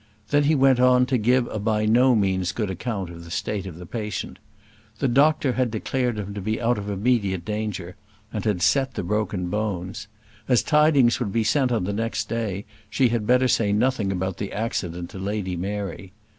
Then he went on to give a by no means good account of the state of the patient. The doctor had declared him to be out of immediate danger, and had set the broken bones. As tidings would be sent on the next day she had better say nothing about the accident to Lady Mary.